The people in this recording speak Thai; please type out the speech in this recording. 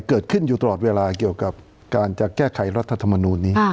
อยู่ตลอดเวลาเกี่ยวกับการจะแก้ไขรัฐธรรมนูลนี้